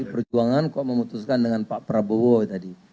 jadi perjuangan kok memutuskan dengan pak prabowo tadi